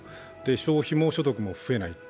消費も所得も増えない。